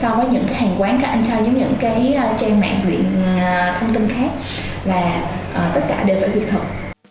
so với những cái hàng quán các entire những những cái trang mạng viện thông tin khác là tất cả đều phải việc thực